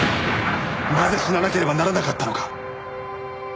なぜ死ななければならなかったのか？